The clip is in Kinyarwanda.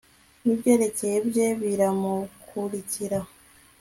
nibyegera bye biramukurikira